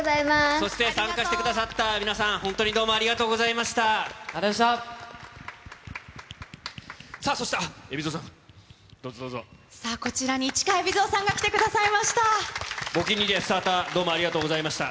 そして参加してくださった皆さん、本当にどうもありがとうございました。